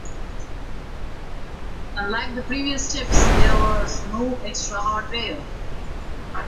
Unlike the previous chips, there was no extra hardware.